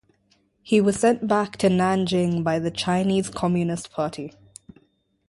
He was sent back to Nanjing by the Chinese Communist Party.